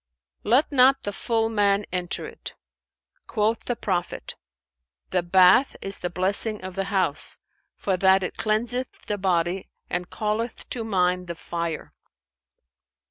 "Let not the full man enter it. Quoth the Prophet, 'The bath is the blessing of the house, for that it cleanseth the body and calleth to mind the Fire.'"